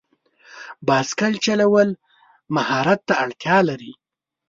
بایسکل چلول مهارت ته اړتیا لري.